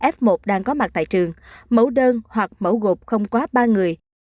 f một đang có mặt tại trường mẫu đơn hoặc mẫu gộp không quá ba người